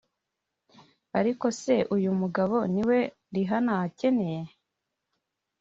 Ariko se uyu mugabo ni we Rihanna akeneye